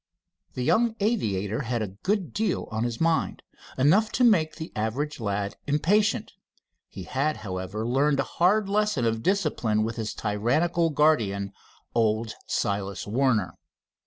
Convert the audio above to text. The young aviator had a good deal on his mind, enough to make the average lad impatient. He had, however, learned a hard lesson of discipline with his tyrannical guardian, old Silas Warner.